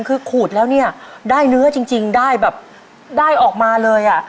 คือขูดแล้วเนี่ยได้เนื้อจริงได้แบบได้ออกมาเลยอ่ะ